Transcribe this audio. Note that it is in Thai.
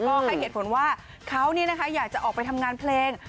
ก็ให้เหตุผลว่าเขาอยากจะออกไปทำงานเพลง